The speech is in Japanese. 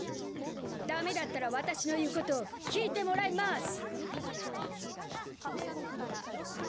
ダメだったら私の言うことを聞いてもらいマース。